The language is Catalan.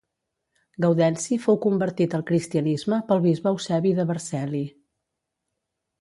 Gaudenci fou convertit al cristianisme pel bisbe Eusebi de Vercelli.